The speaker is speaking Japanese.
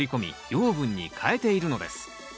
養分に変えているのです。